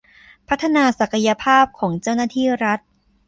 พัฒนาศักยภาพของเจ้าหน้าที่รัฐ